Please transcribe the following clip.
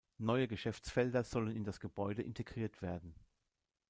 Neue Geschäftsfelder sollen in das Gebäude integriert werden.